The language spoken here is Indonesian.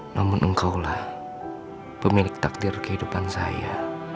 namun engkaulah pemilik takdir kehidupan saya